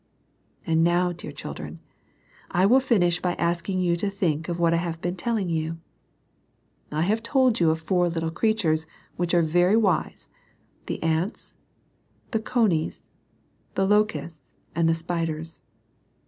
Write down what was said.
And now, dear children, I will finish by asking you to think of what I have been telling you. I have told you of four little creatures, which are very wise, — ^the ants, — the conies, — the lo custs, — ^and the spiders.